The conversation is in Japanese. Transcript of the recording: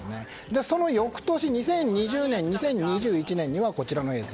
その翌年２０２０年２０２１年にはこちらの映像